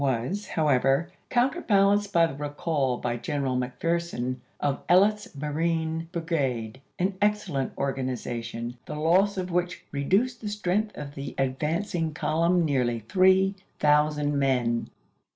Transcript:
was, however, counterbalanced by the recall by General McPherson of Ellet's Marine Brigade, an excellent organization, the loss of which reduced the strength of the advancing column nearly three thousand men.